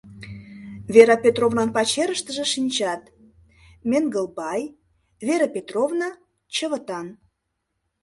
Вера Петровнан пачерыште шинчат: Менгылбай, Вера Петровна, Чывытан.